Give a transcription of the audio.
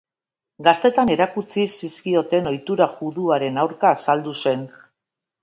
Gaztetan erakutsi zizkioten ohitura juduaren aurka azaldu zen.